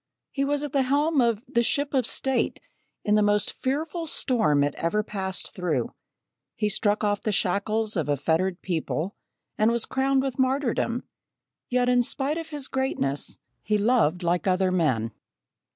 He was at the helm of "the Ship of State" in the most fearful storm it ever passed through; he struck off the shackles of a fettered people, and was crowned with martyrdom; yet in spite of his greatness, he loved like other men.